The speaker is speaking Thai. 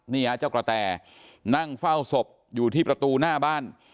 เจ้ากระแต่นั่งเฝ้าศพอยู่ที่ประตูหน้าบ้าน